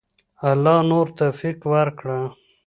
الله نور توفیق ورکړه.